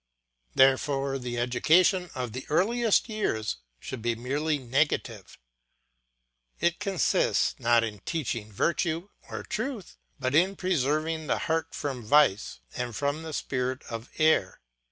Therefore the education of the earliest years should be merely negative. It consists, not in teaching virtue or truth, but in preserving the heart from vice and from the spirit of error.